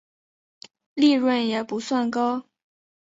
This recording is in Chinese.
利润也不算高